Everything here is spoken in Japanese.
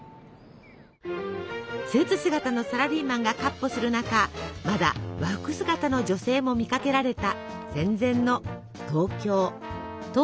スーツ姿のサラリーマンがかっ歩する中まだ和服姿の女性も見かけられた戦前の東京。